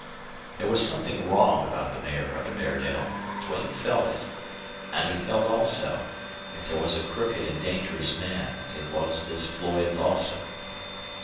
There was something wrong about the Mayor of Fairdale. Duane felt it. And he felt also, if there was a crooked and dangerous man, it was this Floyd Lawson.